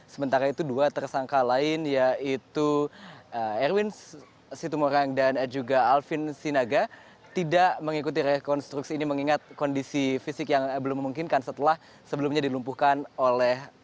sementara itu dua tersangka lain yaitu erwin situmorang dan juga alvin sinaga tidak mengikuti rekonstruksi ini mengingat kondisi fisik yang belum memungkinkan setelah sebelumnya dilumpuhkan oleh